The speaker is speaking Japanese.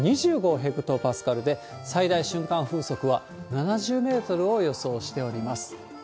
ヘクトパスカルで、最大瞬間風速は７０メートルを予想しております。